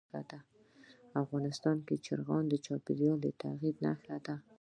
افغانستان کې چرګان د چاپېریال د تغیر نښه ده.